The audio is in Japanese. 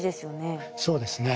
そうですね。